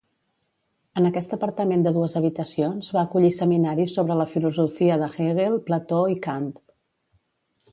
En aquest apartament de dues habitacions va acollir seminaris sobre la filosofia de Hegel, Plató i Kant.